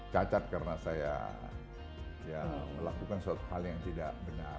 cacat karena saya melakukan suatu hal yang tidak benar